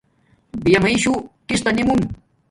بیامیݵ شو کستا نی مونا